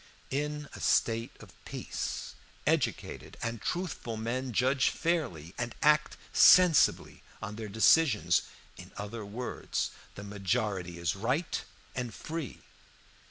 "In a state of peace, educated and truthful men judge fairly, and act sensibly on their decisions. In other words, the majority is right and free.